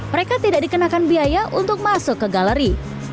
mereka tidak dikenakan biaya untuk masuk ke galeri